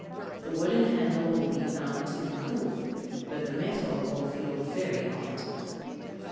The wooden handle will be found to be cool, but the metal will feel very hot.